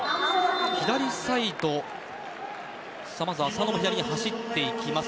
左サイド、まずは浅野が左に走っていきます。